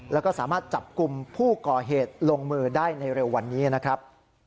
แล้วก็สามารถจับกลุ่มผู้ก่อเหตุลงมือได้ในเร็ววันนี้นะครับ